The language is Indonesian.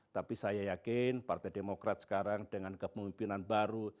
tapi saya yakin partai demokrat sekarang dengan kepemimpinan baru